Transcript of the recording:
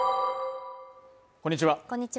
こんにちは